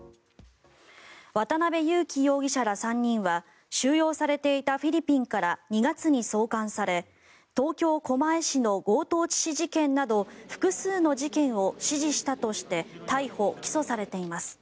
渡邉優樹容疑者ら３人は収容されていたフィリピンから２月に送還され東京・狛江市の強盗致死事件など複数の事件を指示したとして逮捕・起訴されています。